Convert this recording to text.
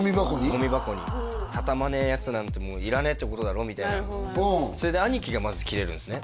ゴミ箱に畳まねえやつなんていらねえってことだろみたいなそれで兄貴がまずキレるんですね